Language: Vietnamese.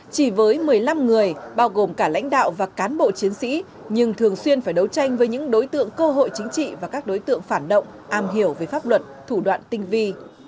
chỉ với một mươi năm người bao gồm cả lãnh đạo và cán bộ chiến sĩ nhưng thường xuyên phải đấu tranh với những đối tượng cơ hội chính trị và các đối tượng phản động am hiểu về pháp luật thủ đoạn tinh vi